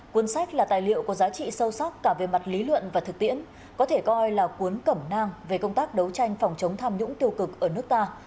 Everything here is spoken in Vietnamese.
cuốn sách là tài liệu có giá trị sâu sắc cả về mặt lý luận và thực tiễn có thể coi là cuốn cẩm nang về công tác đấu tranh phòng chống tham nhũng tiêu cực ở nước ta